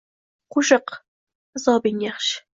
– Qo‘shiq! Azobing yaxshi!